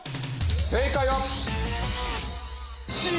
正解は。